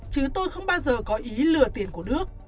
chứ tôi không bao giờ có ý lừa tiền của đức